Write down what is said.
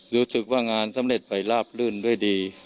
รู้สึกว่างานสำเร็จไปลาบลื่นด้วยดี